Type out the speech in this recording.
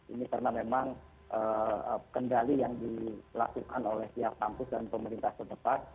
ini karena memang kendali yang dilakukan oleh pihak kampus dan pemerintah setempat